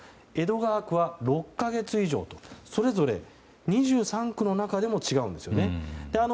江戸川区は６か月以上とそれぞれ２３区の中でも違うんですよね。